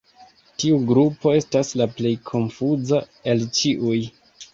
Tiu grupo estas la plej konfuza el ĉiuj.